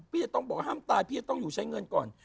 พี่จะต้องบอกห้ามตายพี่จะต้องอยู่ใช้เงินก่อน